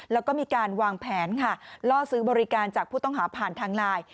แล้วก็มีการวางแผนค่ะล่อซื้อบริการจากผู้ต้องหาผ่านทางไลน์